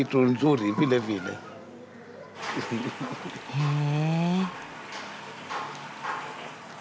へえ。